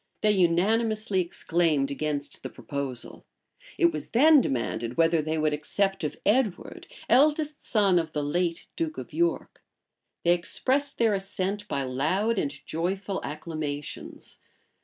They unanimously exclaimed against the proposal. It was then demanded whether they would accept of Edward, eldest son of the late duke of York. They expressed their assent by loud and joyful acclamations.